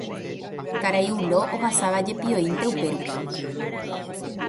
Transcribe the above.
Karai Ulo ohasavajepivoínte upérupi.